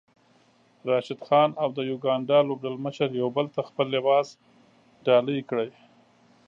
راشد خان او د يوګاندا لوبډلمشر يو بل ته خپل لباس ډالۍ کړی